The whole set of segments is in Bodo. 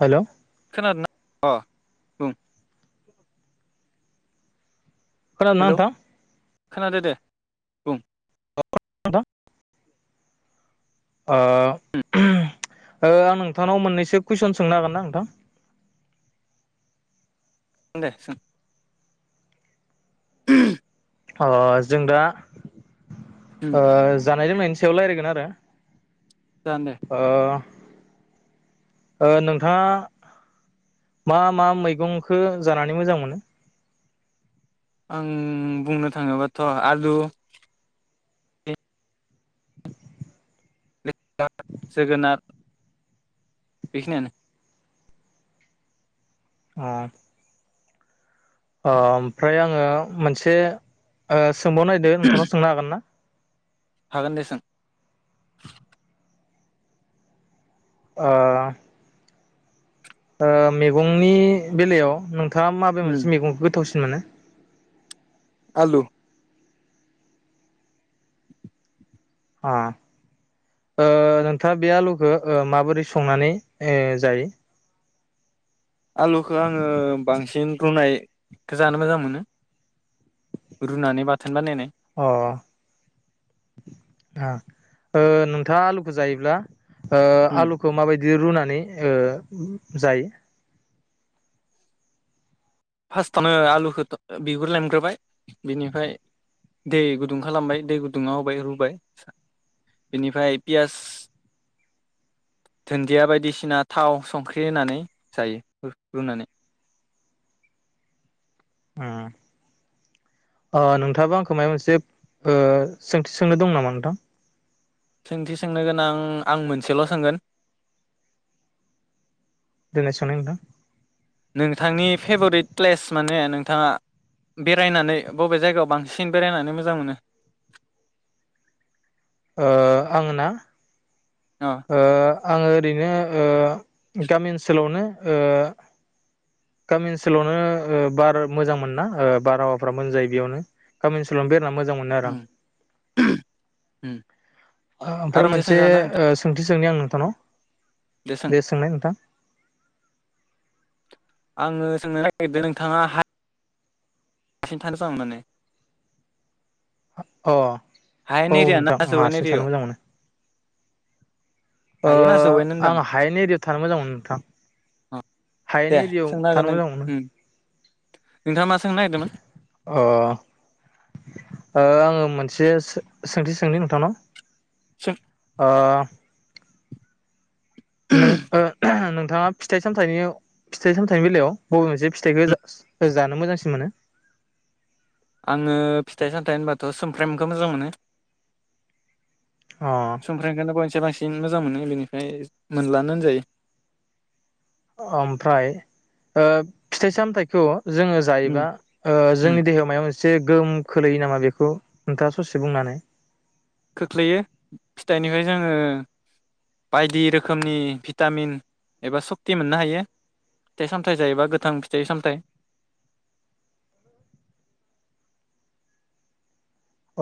हेल' खोनादोंना अ बुं खोनादोंना हेल' नोंथां खोनादों दे बुं [unintelligible] ओ ओ आं नोंथांनाव मोननैसो कुइसन सोंनो हागोनना नोंथां? हागोन दे सों। [unintelligible] अ जों दा ओ जानाय लोंनायनि सायाव रायलायगोन आरो। जागोन दे ओ ओ नोंथाङा मा मा मैगंखो जानानै मोजां मोनो? आं बुंनो थाङोबाथ' आलु [unintelligible] जोगोनाद बेखिनियानो। अ ओ ओमफ्राय आङो मोनसे ओ सोंबाव नायदो नोंथांनाव सोंनो हागोन ना? हागोन दे सों। ओ ओ मैगंनि बेलायाव नों थाङा माबे उम मोनसे मेगंखौ गोथावसिन मोनो? आलु। अ ओ नोंथाङा बे आलुखो ओ माबोरै संनानै ए जायो? आलुखो आङो बांसिन रुनायखो जानो मोजां मोनो रुनानै बाथोन बानायनाय अ ओं ओ नोंथाङा आलुखो जायोब्ला ओ उम आलुखो माबायदि रुनानै नै ओ जायो फास्टावनो आलुखौ थ ओ बिगुर लेमग्रोबाय बिनिफ्राय दै गुदुं खालामबाय दै गुदुङाव होबाय रुबाय। बिनिफ्राय पियास धोन्दिया बायदिसिना थाव संख्रि होनानै जायो रुनानै। उम, ओ नोंथाङाबो आंखौ मायबा मोनसे बो सोंथि सोंनो दं नामा नोंथां? सोंथि सोंनो गोनां आं मोनसेल' सोंगोन। देनाय सोंनाय नोंथां। नोंथांनि फेभरिट प्लेस माने नोंथाङा बेरायनानै बबे जायगायाव बांसिन बेरायनानै मोजां मोनो? ओ आङो ना? अ ओ आङो ओरैनो ओ गामि ओनसोलावनो ओ गामि ओनसोलावनो ओ बार मोजां मोनोना ओ बारहावाफ्रा मोजां जायो बेयावनो गामि ओनसोलावनो बेर मोजां मोनो आरो उम उम आं। आरो आमफ्राय मोनसे सोंजागोन ना नोंथां ओ सोंथि सोंनि आं नों नोंथांनाव दे सोंनाय नोंथां। आङो सोंनो नागिरदों नोंथाङा हा हारसिं थानो [unintelligible] माने? अ औ हायेन एरिया नोंथां ना आं जौवेन हारसिं एरिया थानो आव? मोजां मोनो ओ होनदां आं हायेन एरियायाव थानो मोजां मोनो नोंथां। अ दे हायेन एरियायाव सोंनो हागोन थानो नों मोजां मोनो। उम नोंथाङा मा सोंनो नागिरदोंमोन अ, ओ आङो मोन से सोंथि सोंनि नोंथांनाव। सों। ओ नों नों थाङा फिथाइ सामथनि फिथाइ सामथाइनि बेलायाव बबे मोनसे फिथाइखौ जानो मोजांसिन मोनो? आङो फिथाइ सामथायाइ होनबाथ सुमफ्रेमखौ मोजां मोनो। अ सुमफ्रेमखौनो बयनिफ्राय बांसिन मोजां मोनो। बेनिफ्राय मोनलानो होनजायो। ओमफ्राय ओ फिथाइ सामथायाइखौ जोङो उम जायोबा ओ उम जोंनि देहायाव माबा मोनसे एसे गोहोम खोलैयो नामा बेखौ नोंथाङा ससे बुंनानै खोख्लैयो। फिथाइनिफ्राय जोङो बायदि रोखोमनि भिटामिन एबा सक्ति मोननो हायो। फिथाइ सामथाइ जायोबा गोथां फिथाइ सामथाइ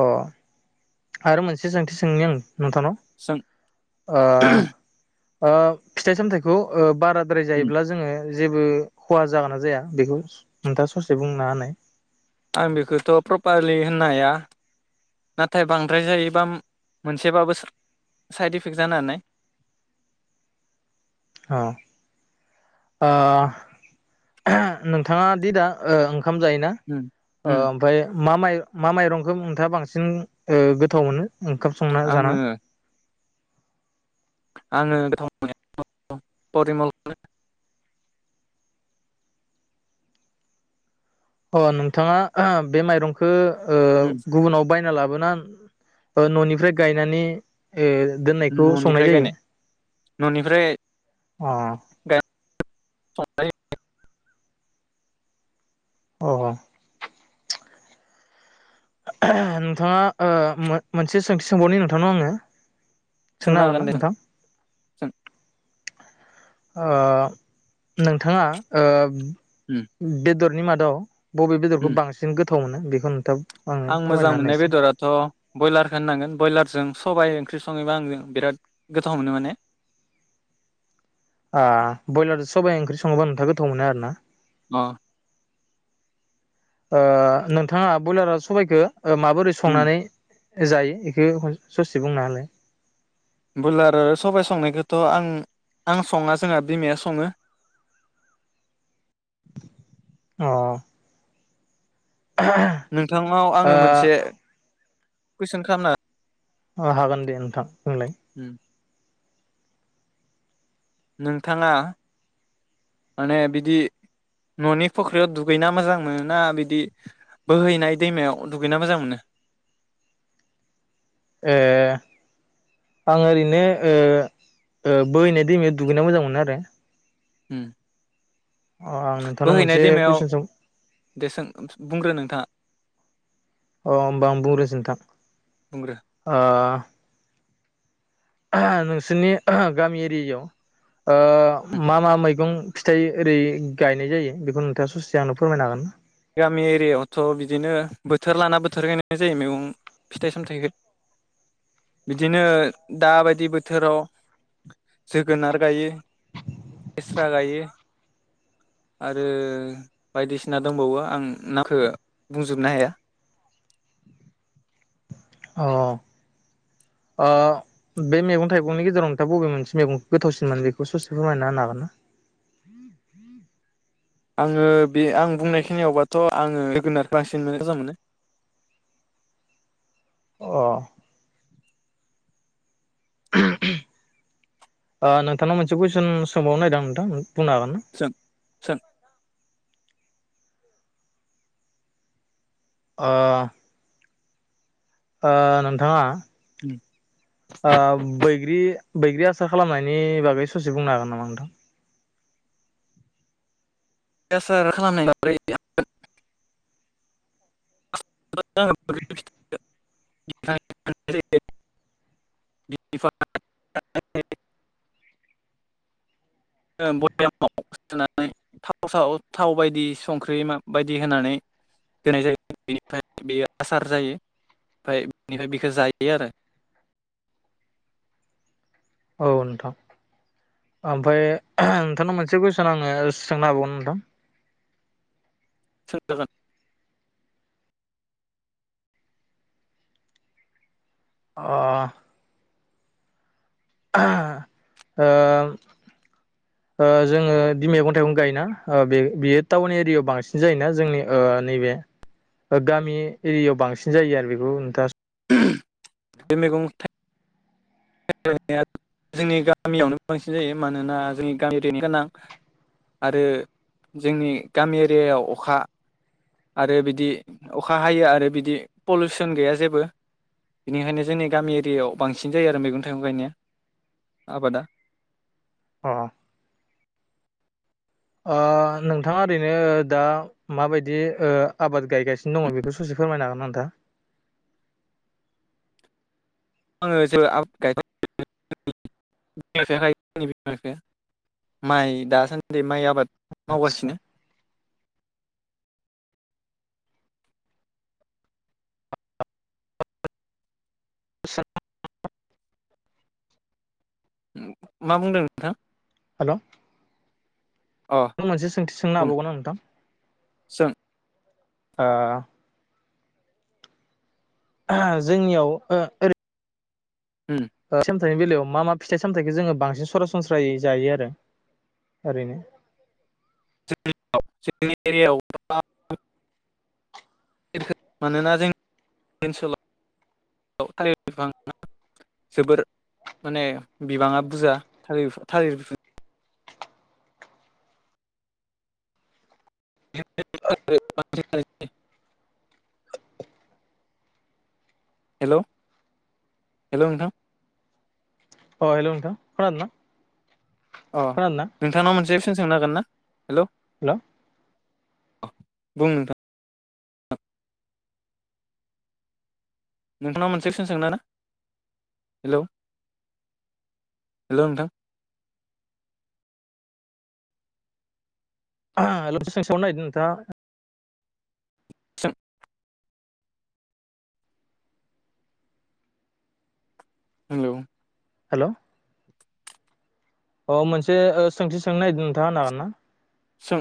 अ, आरो मोनसे सोंथि सोंनि आं नोंथांनाव। जों ओ ओ फिथाइ सामथाइखौ ओ बाराद्राय जायोब्ला जोङो जेबो खहा जागोन ना जाया बेखौ नोंथाङा ससे बुंनो होनाय। आं बेखौथ प्रपारलि होननो हाया। नाथाय बांद्राय जायोबा मोनसेबाबो साइड इफेक्ट जानो हानाय। अ, ओ नोंथाङा दि दा ओ ओंखाम जायोना उम उम ओमफ्राय मा माइ मा माइरंखौ नोंथाङा बांसिन गोथाव मोनो? ओंखाम संना आङो जाना आङो गोथाव [unintelligible] परिमलखौनो अ नोंथाङा बे माइरंखो उम गुबुनाव बायना ला बोना न'निफ्राय गायनानै दोननायखौ संनाय न'निफ्राय जायो? गायनाय न'निफ्राय अ [unintelligible] अ नोंथाङा मोनसे सोंथि सोंबावनि नोंथांनाव आङो सोंनो हागोन दे सों ओ नोंथाङा उम बेदर नि माादाव बबे बेदरखौ उम बांसिन गोथ थाव मोनो बेखौ नुथा आं मोजां मोननाय बेद'राथ बयलार हौननांगोन बयलार। जों सबाइ ओंख्रि सङैबा आङो बिराद गोथाव मोनो माने। ओ बयलारजों सबाइ ओंख्रि सङोबा नोंथाङ गोथाव मोनो आरो ना? अ ओ नोंथाङा बयलार सबाइखो ओ माबोरै उम संनानै जायो इखौ खनसे ससे बुंना होलाय। बयलार आरो सबाइ संनायखोथ' आं आं सङा जोंहा बिमाया सङो। अ नोंथांनाव आङो मोनसे कुइसन खामना अ हागोन दे नोंथां बुंलाय। उम नोंथाङा माने बिदि ननि फख्रियाव दुगैना मोजां मोनो ना बिदि बोहैनाय दैमायाव दुगैना मोजां मोनो? ए आं ओरैनो ओ ओ बोहैनाय दैमायाव दुगैना मोजां मोनो आरो। हम अ आं नोंथांनाव बोहैनाय मोनसे दैमायाव कुइसन सों देसों बुंग्रो नोंथाङा। अ होमबा आं बुंग्रोसै नोंथां बुंग्रो ओ नोंसोरनि गामि एरियायाव ओ उम मा मा मैगं फिथाइ ओरै गायनाय जायो बेखौ नोंथाङा ससे आंनो फोरमायनो हागोन ना? गामि एरियआवथ' बिदिनो बोथोर लाना बोथोर गायनाय जायो मैगं फिथाइ सामथाइखो बिदिनो दाबायदि बोथोराव जोगोनार गायो। लेस्रा गायो। आरो बायदिसिना दंबाओ आं नामखौ बुंजोबनो हाया। अ ओ बे मैगं थाइगंनि गेजेराव नोंथा बबे मोनसे मैगं गोथावसिन मोनो बेखौ ससे फोरमायना होनो हागोन ना? आङो बे आं बुंनाय खिनियावबाथ' आङो जोगोनार बांसिन मोजां मोनो। अ ओ नोंथांनाव मोनसे कुइसन सोंबावनो नायदां नोंथां। बुंनो हागोन ना? सों सों ओ ओ नोंथाङा ओ बैग्रि बैग्रि आसार खालामनायनि बागै ससे बुंनो हागोन नामा नोंथां? बैग्रि आसार खालामनि [unintelligible] [unintelligible] ओ बहामाव सोनानै थाव साव थाव बायदि संख्रि बायदि होनानै होनाय जायो बेनिफ्राय बेयो आसार जायो ओमफ्राय बेनिफ्राय बेखौ जायो आरो। औ नोंथां ओमफाय नोंथांनाव मोनसे कुइसन आङो सोंनो हाबावगोन नोंथां? सोंजागोन। अ ओहो ओ ओ जोङोदि मैगं थाइगं गायोना बे बेयो टाउन एरियाव बांसिन जायोना जोंनि ओ नैबे गामि एरियाव बांसिन जायो आरो बेखौ नोंथाङा बे मैगं थाइ [unintelligible] जोंनि गामियावनो बांसिन जायो मानोना जोंनि गामि एरियानि गोनां आरो जोंनि गामि एरियायाव अखा आरो बिदि अखा हायो आरो बिदि पलिउसन गैया जेबो बेनिखायनो जोंनि गामि एरियायाव बांसिन जायो आरो मेगं मैगं थाइगं गायनाया आबादा अ ओ नोंथाङा ओरैनो दा माबायदि ओ आबाद गायगासिनो दङ बेखौ ससे फोरमायनो हागोन नोंथां आङो जेबो [unintelligible] [unintelligible] माइ दासान्दि माइ आब आबाद आदसा मावगासिनो [unintelligible] मा बुंदों नोंथां? हेलौ अ नों मोनसे सोंथि सोंनो बुं हाबावगोना नोंथां सों ओ ओ जोंनियाव ओ ओरै उम ओ सोम फिथाइनि बेलायाव मा मा फिथाइ सामथाइखौ जोङो बांसिन सरासनस्रायै जायो आरो ओरैनो [unintelligible] जोंनि एरियायाव गोबां थिरखो मानोना जों ओनसोलाव थालिर बिफाङा जोबोर माने बिबाङा बुरजा थालिर बिफां थालिर बिफां [unintelligible] हेलौ हेलौ नोंथां अ हेलौ नोंथां खोनादोंना? अ खोनादोंना नोंथांनाव मोनसे सोंनो हांगोन ना हेलौ हेलौ बुं नोंथां नोंथाङा मोनसे कुइसन सोंना ना हेलौ हेलौ नोंथां आ लोमस [unintelligible] सोबावनो नागिरदों नोंथां सों हेलौ हेल अ मोनसे ओ सोंथि सोंनो नागिरदों नोंथाङा होनो हागोना सों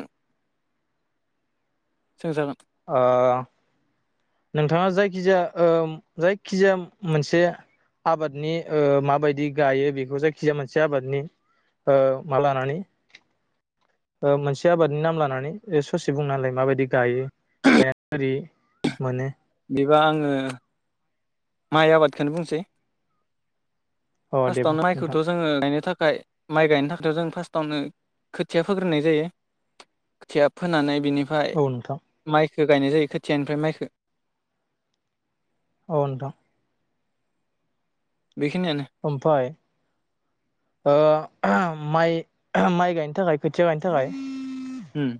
सोंजागोन ओ नोंथाङा जायखिजाया ओ जायखिजाया मोनसे आबादनि ओ माबायदि गायो बेखौ जायखिजाया मोनसे आबादनि ओ मा लानानै मोनसे आबादनि नाम लानानै ससे बुंना होलाय माबायदि गायो [unintelligible] माने बिदिबा आङो माइ आबादखौनो बुंसै अ दे बुं फार्स्टआवनो माइखौथ नोंथां जोङो गायनो थाखाय थाखाय माइ गायनो थाखायाव जों फार्स्टआवनो खोथिया फोग्रोनाय जायो खोथिया फोनानै बिनिफ्राय औ नोंथां माइ खौ गायनाय जायो खोथियानिफ्राय माइखौ अ नोंथां बेखिनियानो ओमफाय ओ माइ माइ गायनो थाखाय खोथिया गायनो थाखाय उम्म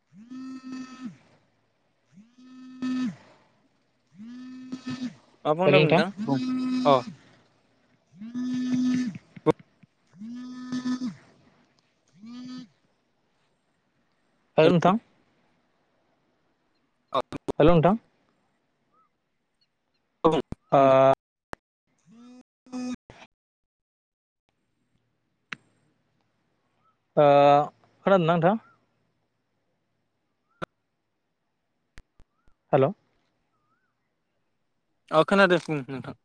[inaudible] मा बुंदोंमोन नोंथां बुं अ। बुं [inaudible] हेल' नोंथां। औ हेल' नोंथां। ओ [unintelligible] ओ खोनादोंना नोंथां? हेल' अ खोनादो बुं नोंथां।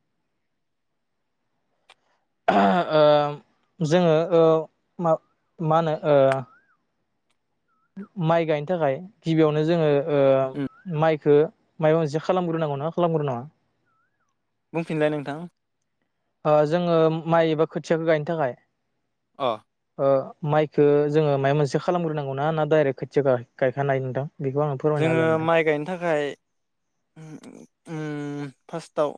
ओ जोङो ओ मा मा होनो ओ माइ गायनो थाखाय गिबियावनो जोंङो ओ उम माइखो माबा मोनसे खालामग्रोनांगौ ना खालामग्रोनांङा? बुंफिनलाय नोंथां। ओ जोंङो माइ एबा खोथियाखौ गायनो थाखाय अ ओ माइखो जोंङो मायबा मोनसे खालामग्रोनांगौना ना डाइरेक्ट खोथिया गाय गायखानो हायो नोंथां? बेखौ आंनो फोरमायना जोंङो होलाय नोंथां। माइ गायनो थाखाय उम फार्स्टआव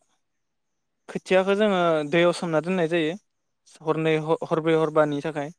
खोथियाखौ जोंङो दैयाव सोमना दोननाय जायो हरनै हरब्रै हरबानि थाखाय।